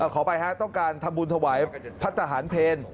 ขอบายให้ครับต้องการทำบุญถวายพัฒนาหารเพลน